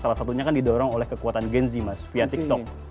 salah satunya kan didorong oleh kekuatan genzi mas via tiktok